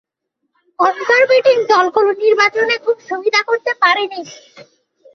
Conservative দলগুলি নির্বাচনে খুব সুবিধা করতে পারেনি।